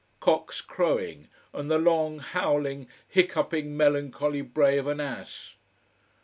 Cocks crowing and the long, howling, hiccuping, melancholy bray of an ass.